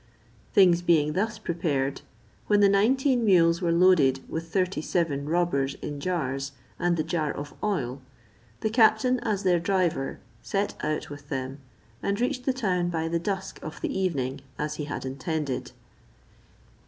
Things being thus prepared, when the nineteen mules were loaded with thirty seven robbers in jars, and the jar of oil, the captain, as their driver, set out with them, and reached the town by the dusk of the evening, as he had intended.